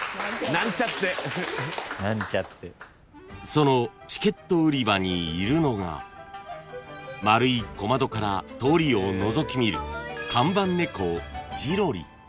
［そのチケット売り場にいるのが丸い小窓から通りをのぞき見る看板ネコ］